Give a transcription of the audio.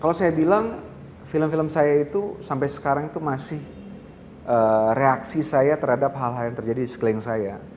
kalau saya bilang film film saya itu sampai sekarang itu masih reaksi saya terhadap hal hal yang terjadi di sekeliling saya